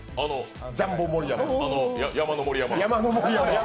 ジャンボ盛山。